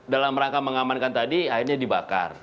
dalam rangka mengamankan tadi akhirnya dibakar